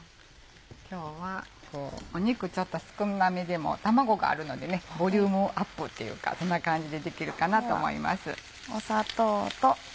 今日は肉ちょっと少なめでも卵があるのでねボリュームアップっていうかそんな感じでできるかなと思います。